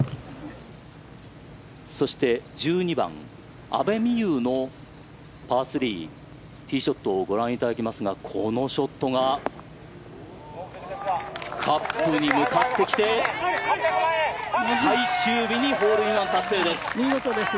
そして、１２番阿部未悠のパー３ティーショットをご覧いただきますがこのショットがカップに向かってきて最終日にホールインワン達成です。